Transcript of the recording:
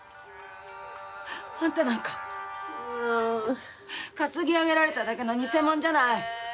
あんたなんか担ぎ上げられただけの偽物じゃない！